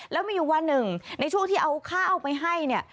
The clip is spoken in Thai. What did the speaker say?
แล้วมีอยู่วันหนึ่งในช่วงที่เอาข้าวไปให้เนี่ย